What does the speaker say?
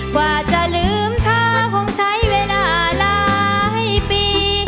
กว่าจะลืมเธอคงใช้เวลาหลายปี